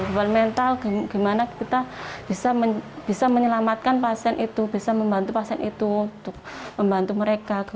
beban mental gimana kita bisa menyelamatkan pasien itu bisa membantu pasien itu untuk membantu mereka